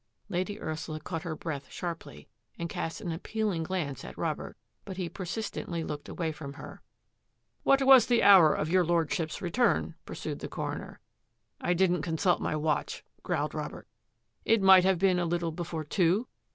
Lady Ursula caught her breath sharply and cast an appealing glance at Robert, but he persist ently looked away from her. " What was the hour of your Lordship's re turn? " pursued the coroner. " I didn't consult my watch," growled Robert. " It might have been a little before two